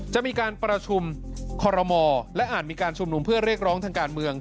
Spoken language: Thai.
จะมีการประชุมคอรมอและอาจมีการชุมนุมเพื่อเรียกร้องทางการเมือง